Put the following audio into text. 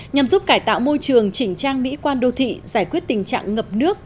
nhằm giúp cải tạo môi trường chỉnh trang mỹ quan đô thị giải quyết tình trạng ngập nước